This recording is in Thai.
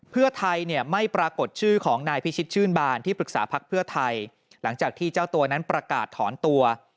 เพื่อไทยเนี่ยไม่ปรากฏชื่อของนายพิชิตชื่นบานที่ปรึกษาพักเพื่อไทยหลังจากที่เจ้าตัวนั้นประกาศถอนตัว